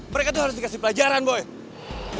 mereka tuh harus dikasih pelajaran boy